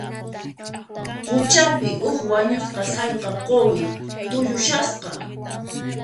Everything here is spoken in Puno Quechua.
Quchapi, huk wañusqa sallqa quwi tuyushasqa.